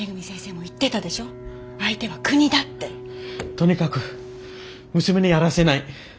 とにかく娘にやらせない。